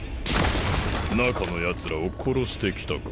中のやつらを殺してきたか？